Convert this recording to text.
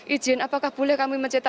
izin apakah boleh kami mencetak